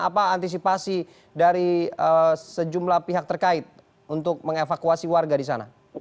apa antisipasi dari sejumlah pihak terkait untuk mengevakuasi warga di sana